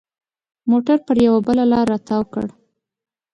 موټر پر یوه بله لاره را تاو کړ.